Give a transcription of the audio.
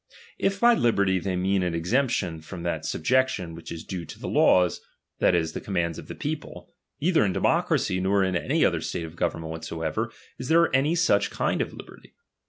If by liberty they mean an exemption from that sub jection which is due to the laws, that is, the com mands of the people ; neither in democracy, nor in any other state of government whatsoever, is there any such kind of liberty.